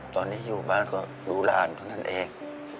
ตอนนี้อยู่บ้านก็ดูหลานเท่านั้นเอง